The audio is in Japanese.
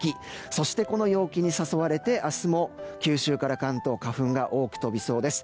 そしてこの陽気に誘われて明日も九州から関東花粉が多く飛びそうです。